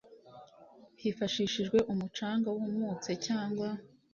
hifashishijwe umucanga wumutse cyangwa